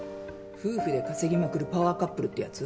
夫婦で稼ぎまくるパワーカップルってやつ？